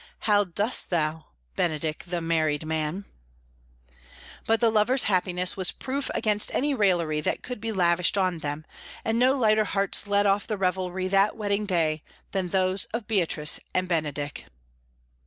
"How dost thou, Benedick the married man?" But the lovers' happiness was proof against any raillery that could be lavished on them, and no lighter hearts led off the revelry that wedding day than those of Beatrice and Benedick.